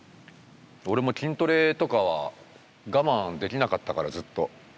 俺も筋トレとかは我慢できなかったからずっと。